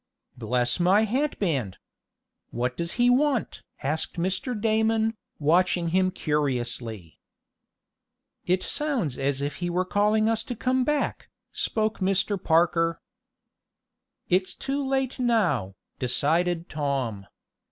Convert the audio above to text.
"Bless my hatband! What does he want?" asked Mr. Damon, watching him curiously. "It sounds as if he were calling to us to come back," spoke Mr. Parker. "It's too late now," decided Tom.